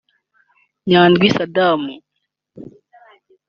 Nyandwi Saddam